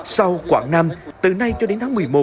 sau quảng nam từ nay cho đến tháng một mươi một